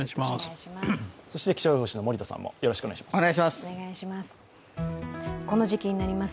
そして気象予報士の森田さんもよろしくお願いします。